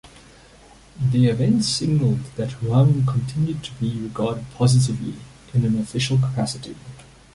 The event signalled that Huang continued to be regarded positively in an official capacity.